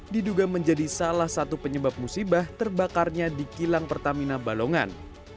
diduga menjadi salah satu penyebab musibah terbakarnya di kilang pertamina balongan